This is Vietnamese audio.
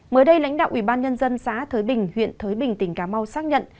mới đây lãnh đạo ủy ban nhân dân xã thới bình huyện thới bình tỉnh cà mau xác nhận